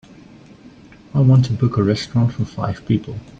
I want to book a restaurant for five people.